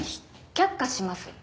却下します。